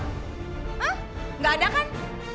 hah gak ada kan